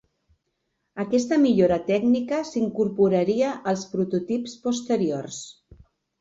Aquesta millora tècnica s'incorporaria als prototips posteriors.